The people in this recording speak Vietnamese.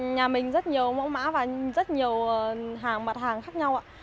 nhà mình rất nhiều mẫu mã và rất nhiều hàng mặt hàng khác nhau ạ